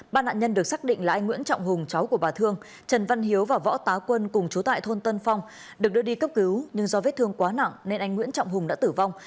ba nạn nhân được xác định là anh nguyễn trọng hùng cháu của bà thương trần văn hiếu và võ tá quân cùng chú tại thôn tân phong được đưa đi cấp cứu nhưng do vết thương quá nặng nên anh nguyễn trọng hùng đã tử vong